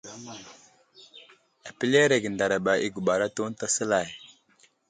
Apəleerge ndaraba i guɓar atu ənta səlay.